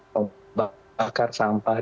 mau bakar sampah